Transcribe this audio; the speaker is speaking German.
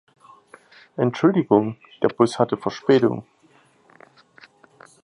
Entschuldigung, der Bus hatte Verspätung.